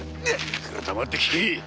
黙って聞け！